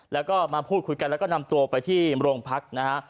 แล้วก็มาพูดคุยกันแล้วก็นำตัวไปที่โรงพักนะฮะ